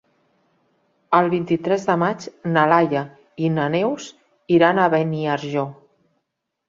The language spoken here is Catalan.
El vint-i-tres de maig na Laia i na Neus iran a Beniarjó.